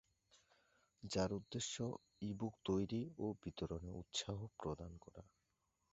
যার উদ্দেশ্য "ই-বুক তৈরি ও বিতরণে উৎসাহ প্রদান করা"।